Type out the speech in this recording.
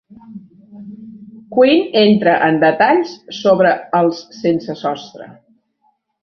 Quinn entra en detalls sobre els sensesostre.